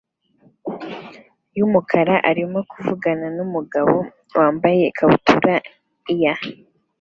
yumukara arimo kuvugana numugabo wambaye ikabutura year